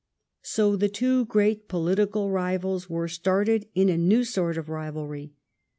So the two great political rivals were started in a new sort of rivalry.